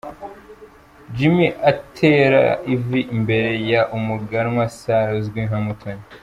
Jimmy atera ivi imbere ya Umuganwa Sarah uzwi nka Mutoni.